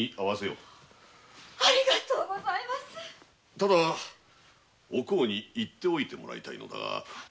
ただおこうに言っておいてもらいたいのだが。